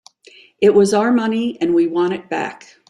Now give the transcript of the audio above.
It was our money and we want it back.